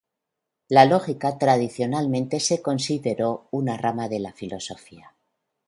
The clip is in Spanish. La lógica tradicionalmente se consideró una rama de la filosofía.